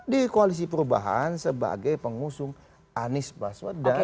di koalisi perubahan sebagai pengusung anies baswedan